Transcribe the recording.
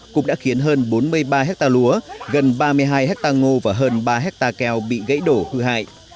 cũng đã khiến hơn bốn mươi ba hecta lúa gần ba mươi hai hecta ngô và hơn ba hecta keo bị gãy đổ hư hại